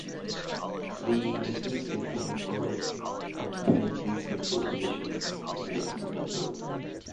The Meseta Central matorral occupies the central portion of the Mexican Plateau.